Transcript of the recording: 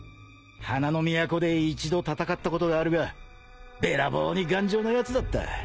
［花の都で一度戦ったことがあるがべらぼうに頑丈なやつだった］